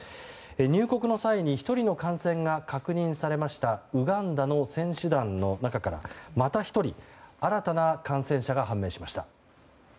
入国の際に１人の感染が確認されましたウガンダの選手団の中からまた１人新たな感染者が判明しました。